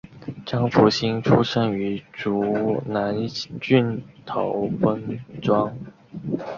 张福兴出生于竹南郡头分庄。